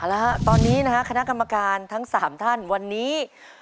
แล้วฮะตอนนี้นะฮะคณะกรรมการทั้ง๓ท่านวันนี้